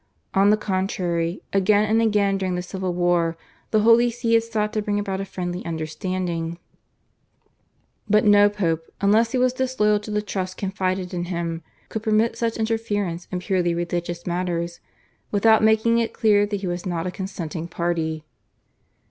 On the contrary, again and again during the civil war the Holy See had sought to bring about a friendly understanding, but no Pope, unless he was disloyal to the trust confided in him, could permit such interference in purely religious matters without making it clear that he was not a consenting party.